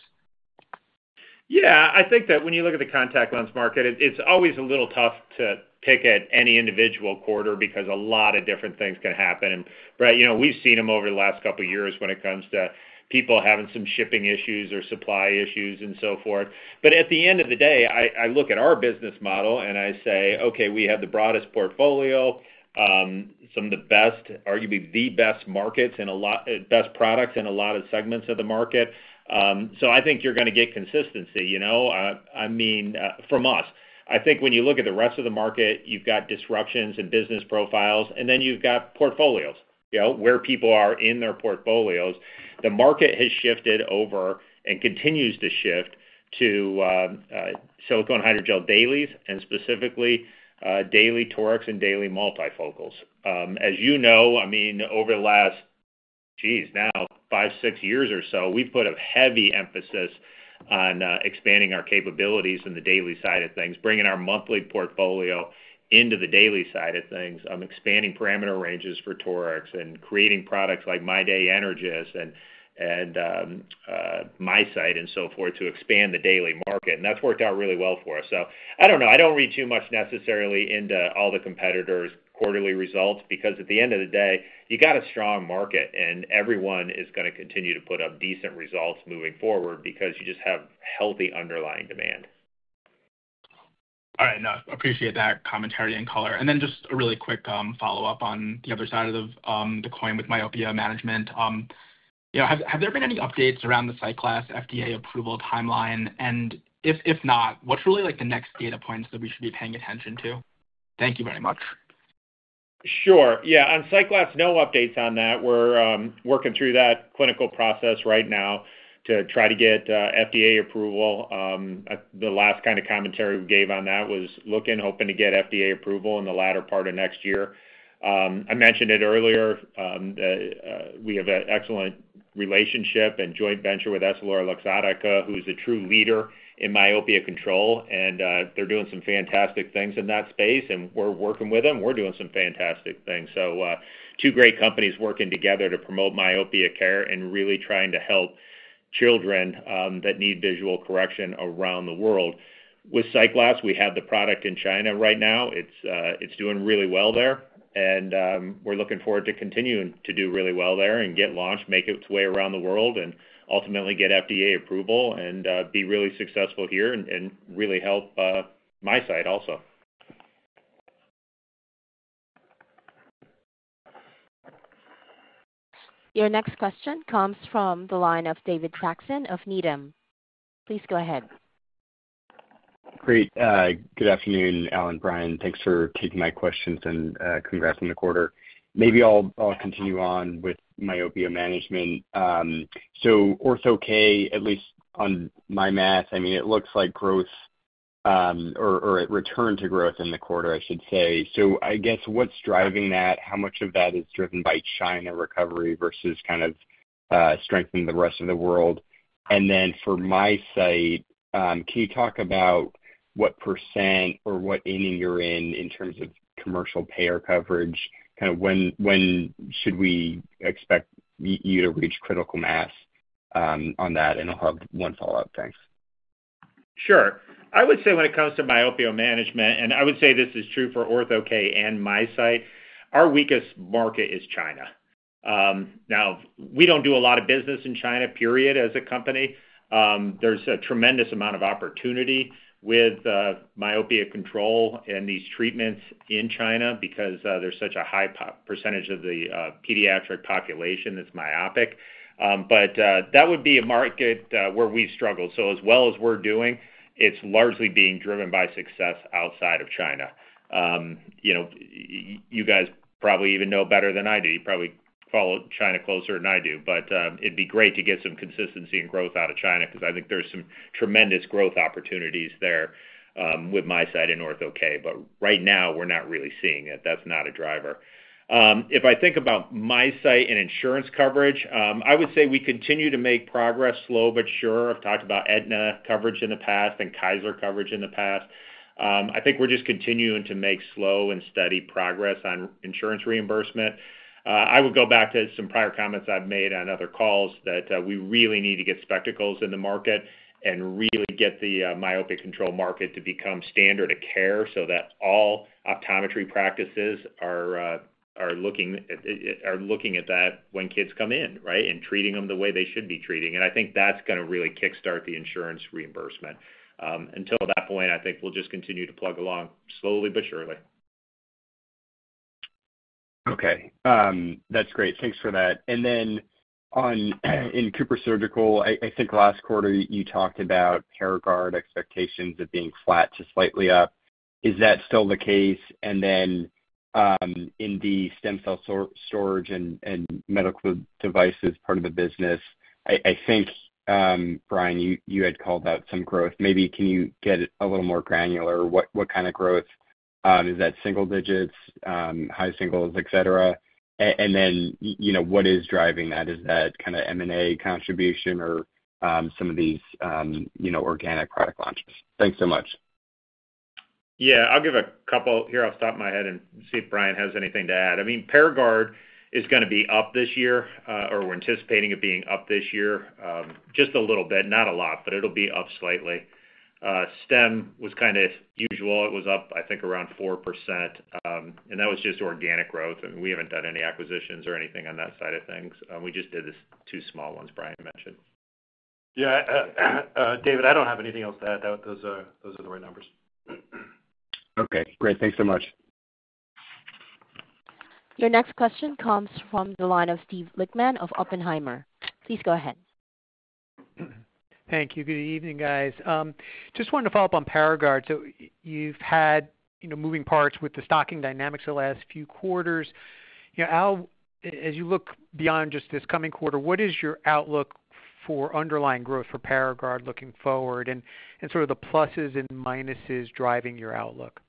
S3: Yeah, I think that when you look at the contact lens market, it, it's always a little tough to pick at any individual quarter because a lot of different things can happen. Brett, you know, we've seen them over the last couple of years when it comes to people having some shipping issues or supply issues and so forth. But at the end of the day, I look at our business model and I say, okay, we have the broadest portfolio, some of the best, arguably the best markets and a lot- best products in a lot of segments of the market. So I think you're gonna get consistency, you know, I mean, from us. I think when you look at the rest of the market, you've got disruptions in business profiles, and then you've got portfolios. You know, where people are in their portfolios. The market has shifted over and continues to shift to silicone hydrogel dailies, and specifically, daily torics and daily multifocals. As you know, I mean, over the last, geez, now, five, six years or so, we've put a heavy emphasis on expanding our capabilities in the daily side of things, bringing our monthly portfolio into the daily side of things, expanding parameter ranges for torics, and creating products like MyDay Energys and MiSight, and so forth, to expand the daily market. That's worked out really well for us. I don't know. I don't read too much necessarily into all the competitors' quarterly results, because at the end of the day, you got a strong market, and everyone is gonna continue to put up decent results moving forward because you just have healthy underlying demand.
S14: All right. I appreciate that commentary and color. And then just a really quick follow-up on the other side of the coin with myopia management. You know, have there been any updates around the SightGlass FDA approval timeline? And if not, what's really, like, the next data points that we should be paying attention to? Thank you very much.
S3: Sure. Yeah, on SightGlass, no updates on that. We're working through that clinical process right now to try to get FDA approval. The last kind of commentary we gave on that was looking, hoping to get FDA approval in the latter part of next year. I mentioned it earlier, we have an excellent relationship and joint venture with EssilorLuxottica, who is a true leader in myopia control, and they're doing some fantastic things in that space, and we're working with them. We're doing some fantastic things. So, two great companies working together to promote myopia care and really trying to help children that need visual correction around the world. With SightGlass, we have the product in China right now. It's doing really well there, and we're looking forward to continuing to do really well there and get launched, make its way around the world, and ultimately get FDA approval and be really successful here and really help MiSight also.
S1: Your next question comes from the line of David Saxon of Needham. Please go ahead.
S13: Great. Good afternoon, Al, Brian. Thanks for taking my questions, and congrats on the quarter. Maybe I'll continue on with myopia management. So Ortho-K, at least on my math, I mean, it looks like growth, or it returned to growth in the quarter, I should say. So I guess what's driving that? How much of that is driven by China recovery versus kind of strength in the rest of the world? And then for MiSight, can you talk about what % or what inning you're in in terms of commercial payer coverage? Kind of when should we expect you to reach critical mass on that? And I'll have one follow-up. Thanks.
S3: Sure. I would say when it comes to myopia management, and I would say this is true for Ortho-K and MiSight, our weakest market is China. Now, we don't do a lot of business in China, period, as a company. There's a tremendous amount of opportunity with myopia control and these treatments in China because there's such a high percentage of the pediatric population that's myopic. But that would be a market where we struggle. So as well as we're doing, it's largely being driven by success outside of China. You know, you guys probably even know better than I do. You probably follow China closer than I do, but it'd be great to get some consistency and growth out of China, 'cause I think there's some tremendous growth opportunities there with MiSight and Ortho-K. But right now, we're not really seeing it. That's not a driver. If I think about MiSight and insurance coverage, I would say we continue to make progress, slow but sure. I've talked about Aetna coverage in the past and Kaiser coverage in the past. I think we're just continuing to make slow and steady progress on insurance reimbursement. I would go back to some prior comments I've made on other calls, that we really need to get spectacles in the market and really get the myopic control market to become standard of care, so that all optometry practices are looking at that when kids come in, right? And treating them the way they should be treating. And I think that's gonna really kickstart the insurance reimbursement. Until that point, I think we'll just continue to plug along, slowly but surely.
S13: Okay, that's great. Thanks for that. And then on, in CooperSurgical, I think last quarter you talked about Paragard expectations of being flat to slightly up. Is that still the case? And then, in the stem cell storage and medical devices part of the business, Brian, you had called out some growth. Maybe can you get a little more granular? What kind of growth? Is that single digits, high singles, et cetera? And then, you know, what is driving that? Is that kind of M&A contribution or, some of these, you know, organic product launches? Thanks so much.
S3: Here, I'll stop my head and see if Brian has anything to add. I mean, Paragard is gonna be up this year, or we're anticipating it being up this year, just a little bit, not a lot, but it'll be up slightly. Stem was kind of usual. It was up, I think, around 4%, and that was just organic growth, and we haven't done any acquisitions or anything on that side of things. We just did the two small ones Brian mentioned.
S4: Yeah, David, I don't have anything else to add. Those are the right numbers.
S13: Okay, great. Thanks so much.
S1: Your next question comes from the line of Steve Lichtman of Oppenheimer. Please go ahead.
S15: Thank you. Good evening, guys. Just wanted to follow up on Paragard. So you've had, you know, moving parts with the stocking dynamics the last few quarters. You know, Al, as you look beyond just this coming quarter, what is your outlook for underlying growth for Paragard looking forward, and sort of the pluses and minuses driving your outlook?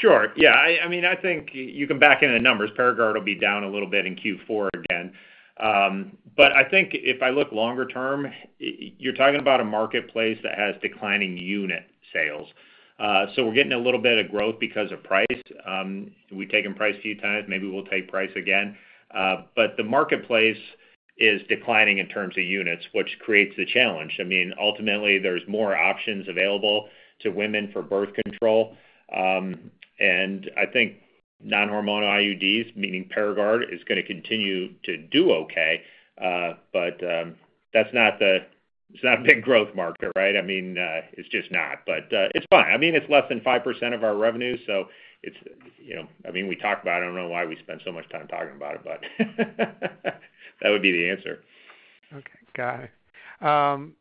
S3: Sure. Yeah, I mean, I think you can back into the numbers. Paragard will be down a little bit in Q4 again. But I think if I look longer term, you're talking about a marketplace that has declining unit sales. So we're getting a little bit of growth because of price. We've taken price a few times, maybe we'll take price again. But the marketplace is declining in terms of units, which creates a challenge. I mean, ultimately, there's more options available to women for birth control. And I think non-hormonal IUDs, meaning Paragard, is gonna continue to do okay. But that's not. It's not a big growth market, right? I mean, it's just not. But it's fine. I mean, it's less than 5% of our revenue, so it's, you know. I mean, we talk about it. I don't know why we spend so much time talking about it, but that would be the answer.
S15: Okay, got it.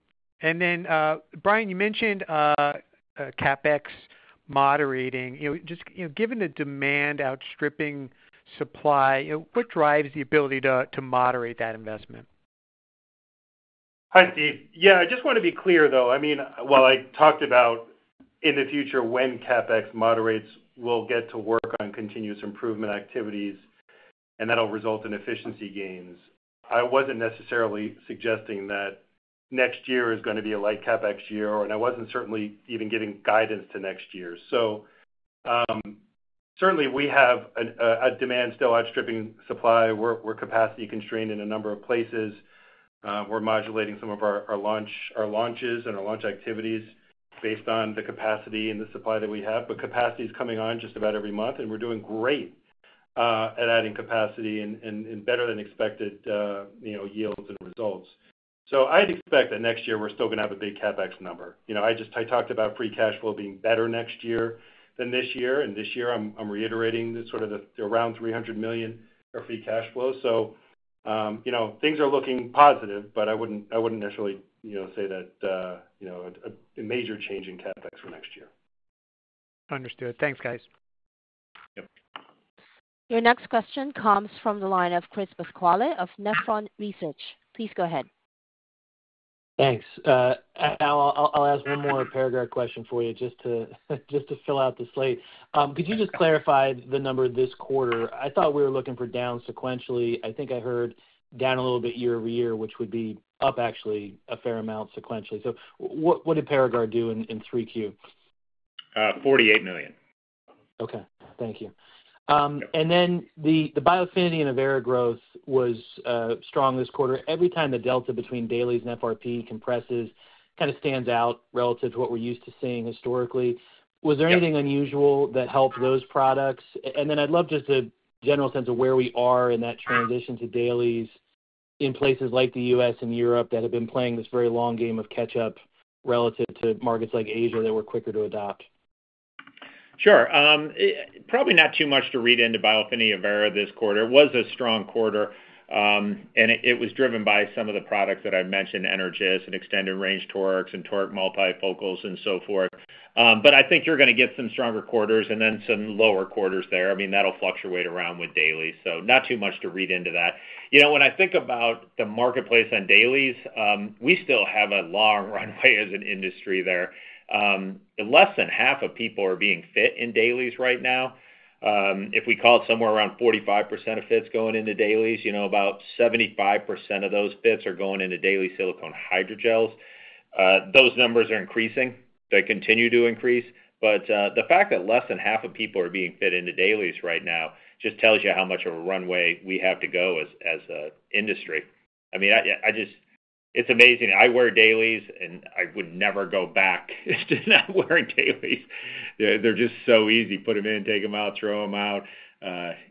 S15: And then, Brian, you mentioned CapEx moderating. You know, just, you know, given the demand outstripping supply, you know, what drives the ability to moderate that investment?
S4: Hi, Steve. Yeah, I just want to be clear, though. I mean, while I talked about in the future, when CapEx moderates, we'll get to work on continuous improvement activities, and that'll result in efficiency gains. I wasn't necessarily suggesting that next year is gonna be a light CapEx year, and I wasn't certainly even giving guidance to next year. So, certainly we have a demand still outstripping supply. We're capacity constrained in a number of places. We're modulating some of our launches and our launch activities based on the capacity and the supply that we have, but capacity is coming on just about every month, and we're doing great at adding capacity and better than expected yields and results. So I'd expect that next year we're still gonna have a big CapEx number. You know, I just talked about free cash flow being better next year than this year, and this year I'm reiterating sort of around three hundred million for free cash flow. So, you know, things are looking positive, but I wouldn't necessarily, you know, say that, you know, a major change in CapEx for next year.
S15: Understood. Thanks, guys.
S4: Yep.
S1: Your next question comes from the line of Chris Pasquale of Nephron Research. Please go ahead.
S16: Thanks. Al, I'll ask one more Paragard question for you, just to fill out the slate. Could you just clarify the number this quarter? I thought we were looking for down sequentially. I think I heard down a little bit year over year, which would be up actually a fair amount sequentially. So what did Paragard do in 3Q?
S3: $48 million.
S16: Okay, thank you.
S3: Yep.
S16: And then the Biofinity and Avaira growth was strong this quarter. Every time the delta between dailies and FRP compresses, kind of stands out relative to what we're used to seeing historically.
S3: Yep.
S16: Was there anything unusual that helped those products? And then I'd love just a general sense of where we are in that transition to dailies in places like the U.S. and Europe, that have been playing this very long game of catch up relative to markets like Asia, that were quicker to adopt.
S3: Sure. I probably not too much to read into Biofinity Avaira this quarter. It was a strong quarter, and it was driven by some of the products that I've mentioned, Energys and extended range torics and toric multifocals and so forth, but I think you're gonna get some stronger quarters and then some lower quarters there. I mean, that'll fluctuate around with dailies, so not too much to read into that. You know, when I think about the marketplace on dailies, we still have a long runway as an industry there. Less than half of people are being fit in dailies right now. If we call it somewhere around 45% of fits going into dailies, you know, about 75% of those fits are going into daily silicone hydrogels. Those numbers are increasing. They continue to increase, but the fact that less than half of people are being fit into dailies right now just tells you how much of a runway we have to go as a industry. I mean, I just. It's amazing. I wear dailies, and I would never go back to not wearing dailies. They're just so easy. Put them in, take them out, throw them out,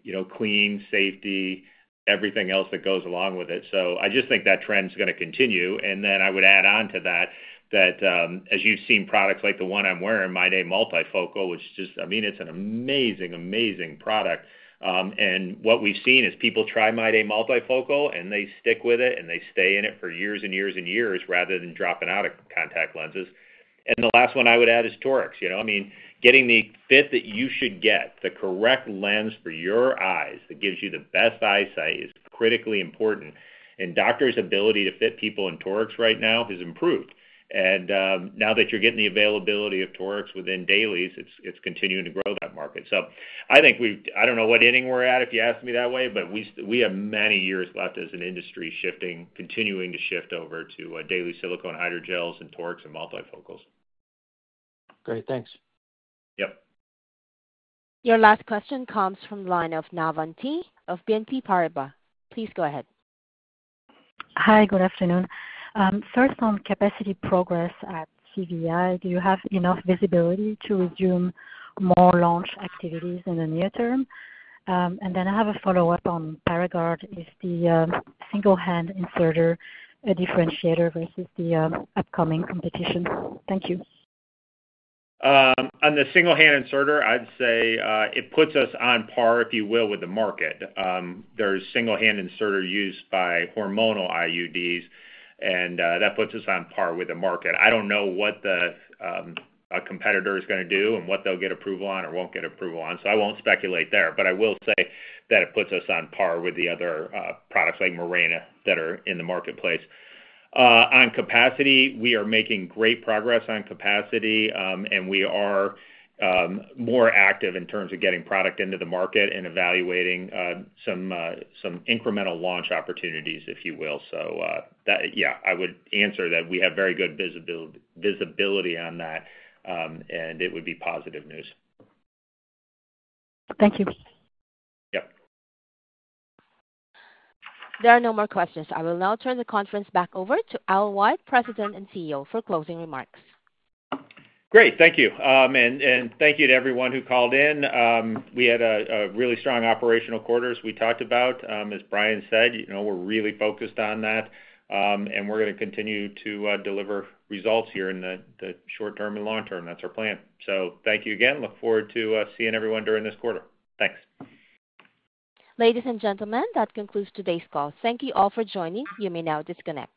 S3: you know, clean, safety, everything else that goes along with it. So I just think that trend's gonna continue. And then I would add on to that, as you've seen, products like the one I'm wearing, MyDay multifocal, which just. I mean, it's an amazing, amazing product. And what we've seen is people try MyDay multifocal, and they stick with it, and they stay in it for years and years and years, rather than dropping out of contact lenses. And the last one I would add is torics. You know, I mean, getting the fit that you should get, the correct lens for your eyes, that gives you the best eyesight, is critically important. And doctors' ability to fit people in torics right now has improved. And now that you're getting the availability of torics within dailies, it's continuing to grow that market. So I think we, I don't know what inning we're at, if you ask me that way, but we have many years left as an industry shifting, continuing to shift over to daily silicone hydrogels and torics and multifocals.
S16: Great, thanks.
S3: Yep.
S1: Your last question comes from the line of Navann Ty of BNP Paribas. Please go ahead.
S17: Hi, good afternoon. First, on capacity progress at CVI, do you have enough visibility to resume more launch activities in the near term? And then I have a follow-up on Paragard. Is the single-handed inserter a differentiator versus the upcoming competition? Thank you.
S3: On the single-handed inserter, I'd say it puts us on par, if you will, with the market. There's a single-handed inserter used by hormonal IUDs, and that puts us on par with the market. I don't know what a competitor is gonna do and what they'll get approval on or won't get approval on, so I won't speculate there. But I will say that it puts us on par with the other products like Mirena that are in the marketplace. On capacity, we are making great progress on capacity, and we are more active in terms of getting product into the market and evaluating some incremental launch opportunities, if you will. So, that. Yeah, I would answer that we have very good visibility on that, and it would be positive news.
S17: Thank you.
S3: Yep.
S1: There are no more questions. I will now turn the conference back over to Al White, President and CEO, for closing remarks.
S3: Great, thank you. And thank you to everyone who called in. We had a really strong operational quarters we talked about. As Brian said, you know, we're really focused on that, and we're gonna continue to deliver results here in the short term and long term. That's our plan. So thank you again. Look forward to seeing everyone during this quarter. Thanks.
S1: Ladies and gentlemen, that concludes today's call. Thank you all for joining. You may now disconnect.